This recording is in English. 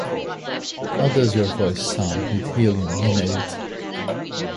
How does your voice sound with helium inhaled?